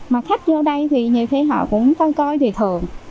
mà khách vô đây thì nhiều thế họ cũng coi coi thì thường